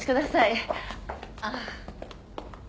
あっ。